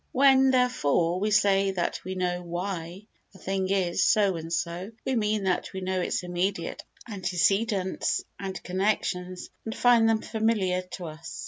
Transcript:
When, therefore, we say that we know "why" a thing is so and so, we mean that we know its immediate antecedents and connections, and find them familiar to us.